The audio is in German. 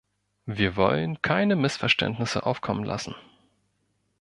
Wir wollen keine Missverständnisse aufkommen lassen.